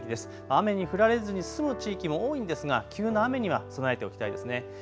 雨に降られずに済む地域も多いんですが急な雨には備えておきたいですね。